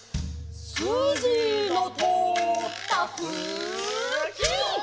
「すじのとおったふき」